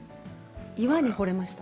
岩にほれました。